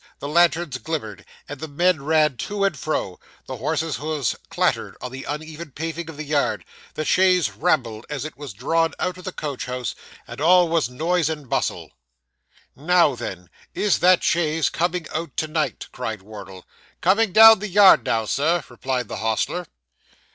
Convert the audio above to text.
The lanterns glimmered, as the men ran to and fro; the horses' hoofs clattered on the uneven paving of the yard; the chaise rumbled as it was drawn out of the coach house; and all was noise and bustle. 'Now then! is that chaise coming out to night?' cried Wardle. 'Coming down the yard now, Sir,' replied the hostler.